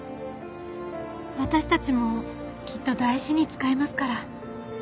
私たちもきっと大事に使いますから。